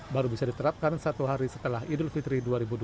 baru bisa diterapkan satu hari setelah idul fitri dua ribu dua puluh